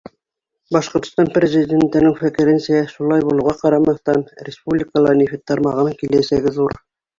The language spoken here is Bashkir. Башҡортосан Президентының фекеренсә, шулай булыуға ҡарамаҫтан, республикала нефть тармағының киләсәге ҙур.